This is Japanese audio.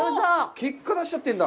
結果出しちゃってるんだ。